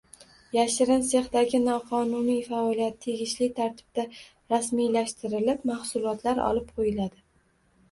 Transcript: Yashirin sexdagi noqonuniy faoliyat tegishli tartibda rasmiylashtirilib, mahsulotlar olib qo`yiladi